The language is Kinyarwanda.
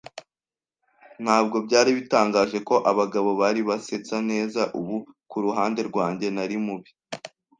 Ntabwo byari bitangaje ko abagabo bari basetsa neza ubu. Ku ruhande rwanjye, nari mubi